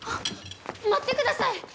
待ってください！